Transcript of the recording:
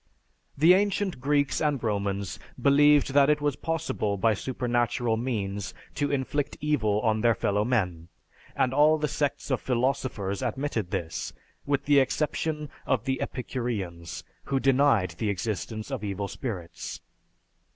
The ancient Greeks and Romans believed that it was possible by supernatural means to inflict evil on their fellowmen, and all the sects of philosophers admitted this, with the exception of the Epicureans, who denied the existence of evil spirits.